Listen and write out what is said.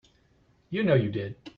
You know you did.